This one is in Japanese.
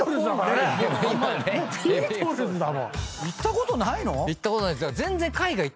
行ったことないの⁉行ったことないです。